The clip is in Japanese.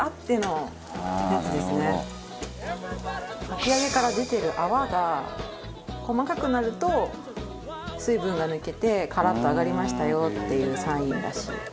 かき揚げから出てる泡が細かくなると水分が抜けてカラッと揚がりましたよっていうサインらしい。